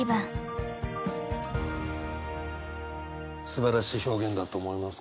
すばらしい表現だと思います。